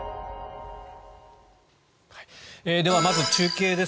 ではまず中継です。